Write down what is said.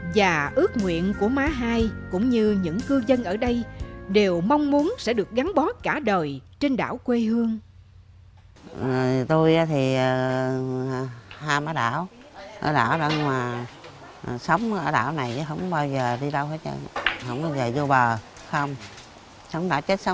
và ước nguyện của má hai cũng như những cư dân ở đây đều mong muốn sẽ được gắn bó cả đời trên đảo quê hương